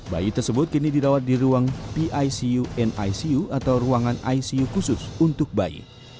bayi tersebut kini dirawat di ruang picu nicu atau ruangan icu khusus untuk bayi